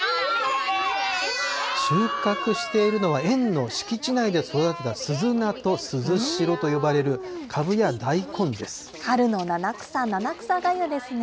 収穫しているのは、園の敷地内で育てたすずなとすずしろと呼春の七草、七草がゆですね。